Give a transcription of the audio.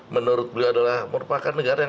menurut beliau adalah merupakan negara yang